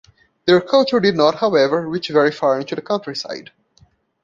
Their culture did not, however, reach very far into the countryside.